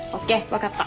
分かった。